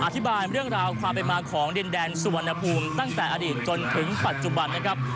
อธิบายเรื่องราวความเป็นมาของดินแดนสุวรรณภูมิตั้งแต่อดีตจนถึงปัจจุบันนะครับ